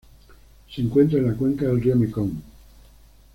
Se encuentra en la cuenca del río Mekong